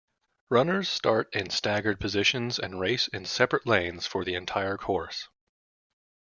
Runners start in staggered positions and race in separate lanes for the entire course.